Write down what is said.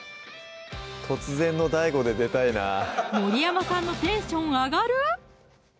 いつか森山さんのテンション上がる？